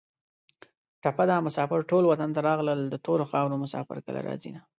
ټپه ده: مسافر ټول وطن ته راغلل د تورو خارو مسافر کله راځینه